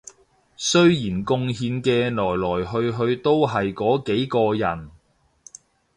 雖然貢獻嘅來來去去都係嗰幾個人